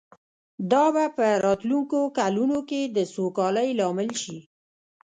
دا به په راتلونکو کلونو کې د سوکالۍ لامل شي